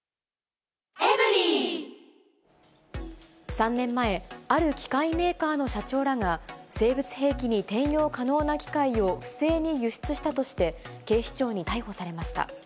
３年前、ある機械メーカーの社長らが、生物兵器に転用可能な機械を不正に輸出したとして、警視庁に逮捕されました。